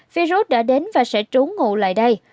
virus đã đến và sẽ trú ngủ lại đây